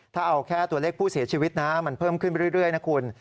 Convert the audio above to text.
ถ้าเอาแค่ตัวเลขผู้เสียชีวิตนะมันเพิ่มขึ้นไปเรื่อยนะคุณ